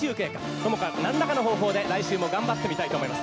とにかく、なんらかの方法で来週も頑張ってみたいと思います。